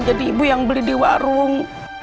jadi ibu yang beli di warung